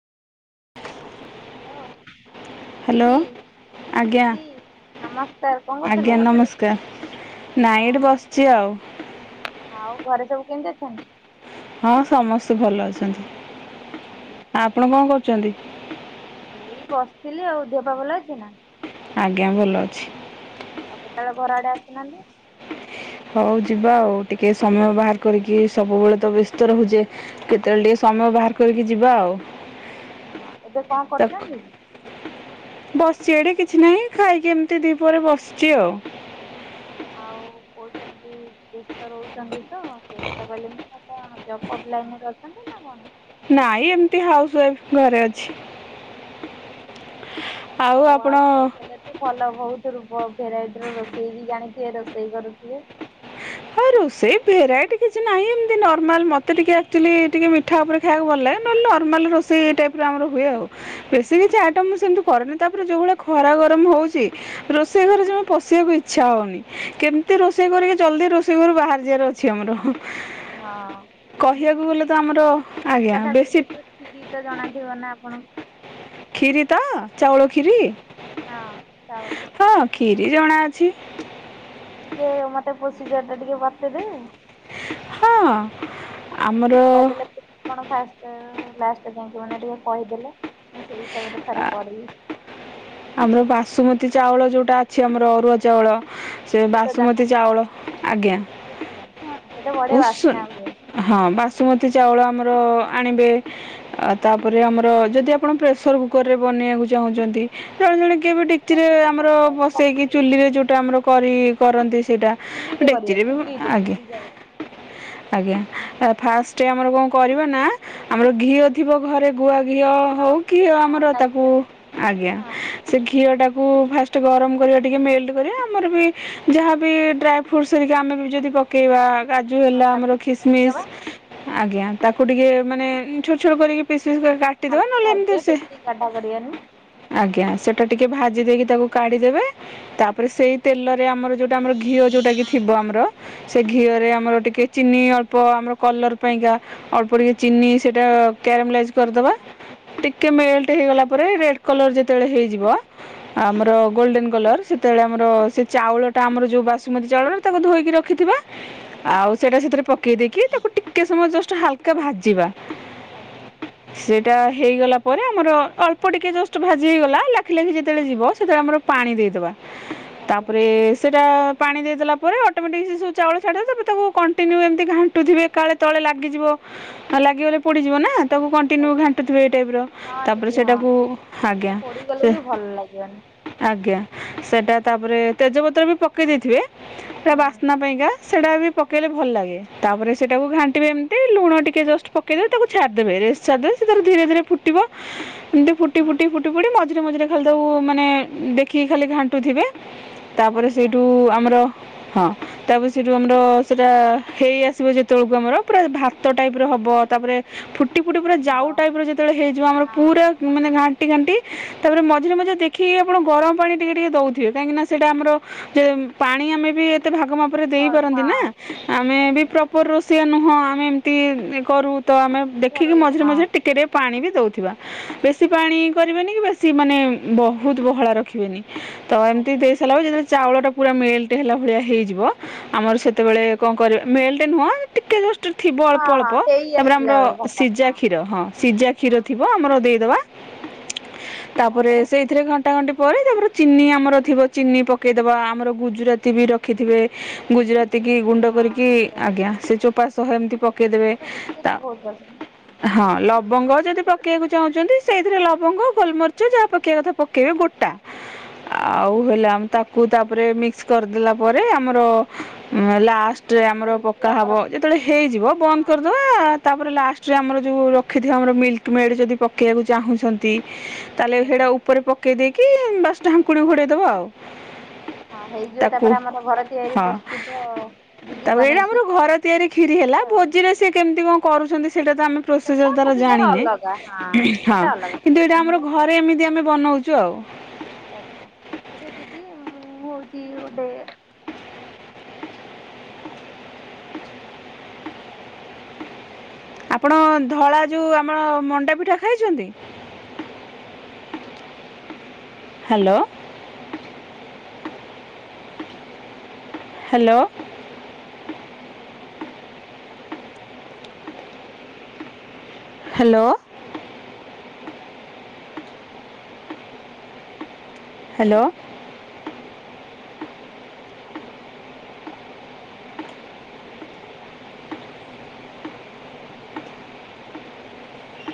Hello. Hello ଦିଦି ଆଜ୍ଞା ଦିଦି ନମସ୍କାର କଣ କରୁଥିଲେ? ନାଇ ଏଠି ବସିଛି ଆଉ। ଆଉ ଘରେ ସବୁ କେମିତି ଅଛନ୍ତି? ହଁ ସମସ୍ତେ ଭଲ ଅଛନ୍ତି ଆପଣ କଣ କରୁଛନ୍ତି? ଏଇ ବସିଥିଲି ଆଉ ଦେହପା ଭଲ ଅଛି ନା? ଆଜ୍ଞା ଭଲ ଅଛି। ଆଉ କେତେବେଳେ ଘର ଆଡେ ଆସୁନାହାନ୍ତି। ହଉ ଯିବା ଆଉ ଟିକେ ସମୟ ବାହାର କରିକି ସବୁବେଳେ ତ ବ୍ୟସ୍ତ ରହୁଛେ। କେତେବେଳେ ଟିକେ ସମୟ ବାହାର କରିକି ଯିବା ଆଉ। ହଁ ଏବେ କଣ କରୁଛନ୍ତି? ବସିଛି ଏଠି କିଛି ନାହିଁ ଖାଇକି ଏମିତି ଦିପହରେ ବସିଛି ଆଉ। ଆଉ କହୁଛନ୍ତି ବ୍ୟସ୍ତ ରହୁଛନ୍ତି ତ ସେଇ କଥା କହିଲି ମୁ କଣ ଜପ୍ ଫବ୍ ଲାଇନରେ ଅଛନ୍ତି ନା କଣ। ନାଇଁ ଏମିତି ହାଉସ ୱାଇଫ ଘରେ ଅଛି। ଆଉ କଣ ହବ ହାଉସ ଆପଣ ୱାଇଫ ହେଲେ ଭଲ ବହୁତ ଭେରାଇଟି ର ରୋଷେଇ ବି ଜାଣିଥିବେ ରୋଷେଇ କରୁଥିବେ। ହଁ ରୋଷେଇ ଭେରାଇଟି କିଛି ନାହିଁ, ଏମତି ନର୍ମାଲ, ମତେ ଟିକେ ଆକଚୁଆଲି ଟିକେ ମି ମିିଠା ଉପରେ ଖାଇବାକୁ ଭଲ ଲାଗେ, ନହେଲେ ନର୍ମାଲ ରୋଷେଇ ଏ ଟାଇପ ର ଆମର ହୁଏ ଆଉ। ବେଶୀ କିଛି ଆଇଟମ ମୁ ସେମିତି କରରେନି, ତାପରେ ଯୋଉ ଭଳି ଖରା ଗରମ ହଉଛି। ରୋଷେଇ ଘରେ ଜମା ପଶିବାକୁ ଇଚ୍ଛା ହଉନି। କେମତି ରୋଷେଇ କରିକି ଜଲଦି ରୋଷେଇ। କେବେଠୁ ବାହାରେ ଯିବାର ଅଛି ଆମର। ହଁ ଦିଦି କହିବାକୁ ଗଲେ କ୍ଷୀରି ତ ଆମର ଆଜ୍ଞା କଥା ବେଶୀ। କହିଲେ ତ କ୍ଷୀରି ତ ଜଣାଥିବ ନା ଆପଣଙ୍କୁ? କ୍ଷୀରି ତ ଚାଉଳ ହଁ କ୍ଷୀରି ଚାଉଳ ଥିଲା। ହଁ କ୍ଷୀରି ଜଣା ଅଛି। ଟିକେ ମତେ ପ୍ରୋସିଜର ଟା ଟିକେ ବତେଇଦେବେ। ହଁ ଆମର କହିଦେଲେ କେମିତି କଣ ଫାଷ୍ଟ ଲାଷ୍ଟ ଯାଇ ଥିବ ଯାଇକି, ମାନ ଟିକେ କହିଦେଲେ। ମୁଁ ସେଇ ହିସାବରେ ପଢିବି ଆମର ବାସୁମତୀ ଚାଉଳ ଯୋଉଟା ଅଛି ଆମର ଅରୁଆ ଚାଉଳ। ସେ ଛୋଟ ଦାନା ବାସୁମତୀ ଚାଉଳ ଆଜ୍ଞା। [unintelligible] ବଢିଆ ଉସୁ ବାସ୍ନା ହୁଏ। ହଁ ବାସୁମତୀ ଚାଉଳ ଆମର ଆଣିବେ ତାପରେ ଆମର ଯଦି ଆପଣ ପ୍ରେସର କୁକର ରେ ବନେଇବାକୁ ଚାହୁଁଛନ୍ତି, ଜଣେ ଜଣେ କେବେ ଟିକ ସେଟା ରାତିରେ ପ୍ରେସର ଆମର କୁକରରେ କଲେ ବସେଇକି ଚୁଲିରେ ହେଇଯିବ ଯୋଉଟା ଆମର କରି କରନ୍ତି ସେଇଟା। ଚୁଲିରେ କରିବା ଡେ଼କଚିରେ ବି ଚୁଲିରେ ଆଜ୍ଞା। ଚୁଲି ଜାଳରେ। ଆଜ୍ଞା ଫାଷ୍ଟ ରେ ଆମର କଣ କରିବା ନା ଆମର ଘିଅ ଥିବ ଘରେ ଗୁଆ ଘିଅ, ହଁ ହଉ କି ଆମର ହଁ ଗାଈ ତାକୁ, ଘିଅ ଆଜ୍ଞା। ହଁ ସେ ଘିଅଟାକୁ ଫାଟ୍ସ ରେ ଗରମ କରିବ, ଟିକେ ମେଲ୍ଟ କରିବ, ଆମର ବି ଯାହାବି ଡ୍ରାଏ ଫ୍ରୁଟ ହେରିକା ଆମେ ଯଦି ପକେଇବା କାଜୁ ହଁ ହେଲା ତାକୁ ଆମର ଟିକେ ଖୀସମିସ୍ ଭାଜିଦବା ଆଜ୍ଞା ତାକୁ ଟିକେ ମାନେ ଛୋଟ ଛୋଟ କରିକି, ପିସି ପିସି କରିକି କାଟ ହାଲକା ଭାଜିଵା ବେଶୀ ଗାଢା କରିବାନି। ଆଜ୍ଞା ସେଟା ଟିକେ ଭାଜି ଦେଇକି ତାକୁ କାଢିଦେବେ, ତାପରେ ସେଇ ତେଲରେ ଆମର ଯୋଉ ଆମର ଘିଅ ଯୋଉଟା କି ଥିବ ଆମର, ସେ ଘିଅରେ ଆମର ଟିକେ ଚିନି ଅଳ୍ପ, ଆମର କଲର ପାଇଁକା ଅଳ୍ପ ଟିକେ ଚିନି ସେଟା କରମାଲାଇଜ୍ କରିଦବା, ଆଜ୍ଞା। ଟିକେ ମେଲଟ ହେଇଗଲା ପରେ ରେଡ କଲର ଯେତେବେଳେ ହେଇଯିବ ଆମର ଗୋଲଡେନ କଲର ସେତେବେଳେ ଆମର ସେ ଚାଉଳଟା ଆମର ଯଉ ବାସୁମତୀ ଚାଉଳ ତାକୁ ଧୋଇକି ରଖିଵଥିବା ଆଉ ସେଇଟା ସେଥିରେ ପକେଇ ଦେଇକି, ତାକୁ ଟିକେ ସମୟ ଜଷ୍ଟ ହାଲକା ଆଜ୍ଞା ଭାଜିବା। ଆଜ୍ଞା ସେଇଟା ହେଇଗଲା ପରେ ଆମ, ର ଅଳ୍ପ ଟିକେ ଜଷ୍ଟ ଭାଜି ହେଇଗଲା, ଲାଖି ଲାଖି ଯେତେବେଳେ ଯିବ ସେତଳେ ଆମର ପାଣି ଦେଇଦେବା। [inaudible] ତାପରେ ସେଇଟା ପାଣି ଦେଇଦେଲା ପରେ, ଅଟୋମେଟିକ ସେ ଚାଉଳ ଛାଡିବ ତାପ କଣ୍ଟିନ୍ୟୁ ଏମିତି ଘାଣ୍ଟୁଥିବେ କାଳେ ତଳେ ଲାଗଯିବ ଲାଗିଗଲେ ପଡିଯିବ ନା। ତାକୁ କଣ୍ଟିନ୍ୟୁ ଆଜ୍ଞା ଘାଣ୍ଟୁଥିବେ ଏଇ ଟାଇପ୍ ହଁ ତାପରେ ଦିଦି ହଁ। ସେଟାକୁ ତା ଆଜ୍ଞା ପୋଡିଗଲେ ବି ଭଲ ଲାଗିବନି। ଆଜ୍ଞା ସେଟା ତାପରେ ତେଜପତ୍ର ବି ପକେଇ ଦେଇଥିବେ ତା ହଁ ବାସ୍ନା ପାଇଁକାା ସେଇଟା ବି ପକେଇଲେ ଭଲ ଲାଗେ, ତାପରେ ସେଟାକୁ ଘାଣ୍ଟିବେ ଏମିତି, ଲୁଣ ଟିକେ ଜଷ୍ଟ ପକେଇଦବେ, ତାକୁ ଛାଡ଼ିଦେବେ ରେଷ୍ଟ ଛାଡି ଦେବେ ସେ ତାର ଧୀରେ ଧୀରେ ଫୁଟିବ ଏମିତି ଫୁଟି ହଁ ଫୁଟି ଫୁଟି ଫୁଟି ଫୁଟି ମଝିରେ ମଝିରେ ଖାଲି ତାକୁ ମାନେ ଦେଖିକି ଖାଲି ଘାଣ୍ଟୁଥିବେ। ତାପରେ ଆଚ୍ଛା ସେଇଠୁ ଆମର ହଁ ତାପରେ ସେଇଠୁ ଆମର। ସେଇଟା ହେଇ ଆସିବ ଯେତେବେଳକୁ ଆମର ପୁରା ଭାତ ଟାଇପ ର ହେବ ତାପରେ ଫୁଟି ଫୁଟି ପୁରା ଯିବ ଯାଉ ଟାଇପ ର ଯେତେବେଳେ ହେଇଯିବ ଆମର ହଁ ପୁରା ହଁ ହଁ ମାନେ କଟି କାଣ୍ଟି ତାପରେ ମଝିରେ ମଝରେ ଦେଖି ଆପଣ ଗରମ ପାଣି ଟିକେ ଟିକେ ଦଉଥିବେ, କାହିଁକିନା ସେଟା ଆମର ଯେ ପାଣି ଆମେ ବି ଏତେ ଭାଗ ମାପରେ ଦେଇ ଥର୍ଡ ହଁ ପାରନ୍ତି ନା, ଆମେ ବି ଓକେ ପ୍ରପ୍ ପର୍ ରୋଷେଇୟା ନୁହଁ, ଆମେ ଏମିତି କରୁ ତ ଆମେ ଦେଖିକି ଘରୋଇ ମଝିରେ, ହଁ ମଝିରେ, ଟିକେ, ଟିକେ ପାଣି ବି ଦଉଥିବା। ବେଶୀ ପାଣି କରିବେନି କି, ବେଶୀ ମାନେ ବହୁତୁବହଳା ରଖିବେନି। ତ ଏମିତି ଓକେ ଦେଇ ସାରିଲା, ଯେତେଳେ ଚାଉଳ ଟା ପୁରା ମେଲଟ୍ ହେଲା ଭଳିଆ ହେଇଯିବ, ଆମର ସେତ୍ ତେବେଳେ କଣ କରିବା? ମେଲ୍ଟ ନୁହଁ, ଟିକେ ଜଷ୍ଟ ଥିବ ଅଳ୍ପ, ହଁ ଅଳ୍ପ, ହଁ ହେଇ ତା'ପରେ ଆସିଲା ଆମର ବେଳକୁ ଘଟ ସିଜା କ୍ଷୀର ହଁ, ସିଜା କ୍ଷୀର ହଁ ଥିବ। ବ ଆମର ଦେଇଦବା। ତା'ପରେ ସେ ଏଥିରେ ଘଣ୍ଟା ଘଣ୍ଟି ପରେ, ତା'ପରେ ଚିନି ଆମର ଥିବ, ଚିନି ପକେଇଦବ। ଆମର ଗୁଜୁରାତି ବି ରଖିଥିବେ। ଗୁଜୁରାତ୍ ତିକି ଗୁଜୁରାତି ଗୁଣ୍ଡ ହଁ କରିକି, ବଢିଆ ଆଜ୍ଞା, ଲାଗେ ସେ ଚୋପା ସହ ଏମିତି ପକେଇଦେବେ। ମୋର ଗୁଜୁରାତି ତା ବହୁତ ପସନ୍ଦ ହଁ, ଗୁଜୁରାତି ଲବଙ୍ଗ ଠିକ ଯଦି ଅଛି ପକେଇବାକୁ ଚାହୁଁଛନ୍ତି। ସେଇଥିରେ ଲବଙ୍ଗ, ଗୋଲମରିଚ ଯାହା, ପକେଇବା କଥା ପକେଇବେ ଗୋଟା। ଆଉ, ଆଜ୍ଞା ହେଲା ଆମେ ତା କୁ ତା'ପରେ ମିକ୍ସ କରିଦେଲା ପରେ, ଆମର ଲାଷ୍ଟ ଟ୍ ରେ ତାପରେ ଆମର, ହେଇଠି ପକ୍କା ହବ। ଆମର ଯେତେବେଳେ ହଁ ହେଇଯିବ, ବନ୍ଦ କରିଦବା-ଆ। ତା'ପରେ ଲାଷ୍ଟରେ ଆମର ଯଉ ରଖିଥିବା, ଆମର ମିଲ୍କ ମେଡ଼୍ ଯଦି ପକେଇବାକୁ ଚାହୁଁଛନ୍ତି ତା, ହେଲେ ଆଜ୍ଞା ହେଇଡ଼ା ଉପରେ ପକେଇ ଦେଇକି ବାସ୍ ଢାଙ୍କୁଣୀ ଘୋଡେଇଦବ ଆଉ। ହଁ, ହେଇଯିବ, ତାକୁ ତା'ପରେ ଆମର ଘର ତିଆରି ହଁ ପ୍ରସ୍ତୁତ-ଅ ତା'ପରେ ଏଇଟା ଆମର ଘର ତିଆରି କ୍ଷୀରି ହେଲା ଆଉ ଭୋଜିରେ, ସେ କେମିତି କଣ କରୁଛନ୍ତି? ସେଇଟା ତ ଆମେ ପ୍ରୋସେସ୍ ସେଟା ତାର ପ୍ରୋସିଜର ଜାଣିନେ। ଅଲଗା ସେଟା ହଁ, ଅଲଗା କିନ୍ତୁ ଏଇଟା ଆମର ଘ ଅରେ ଏମିତି ଆମେ ବନଉଛୁ ଆଉ। ଆଛା, ଆଛା, ଦିଦି ମୁଁ, ହଉଛି ଗୋଟେ [inaudible] ଆପଣ ଧଳା ଯଉଁ ଆମ ମଣ୍ଡା ପିଠା ଖାଇଛନ୍ତି? ହ୍ୟାଲୋ! ହ୍ୟାଲୋ! ହ୍ୟାଲୋ। ହ୍ୟାଲୋ!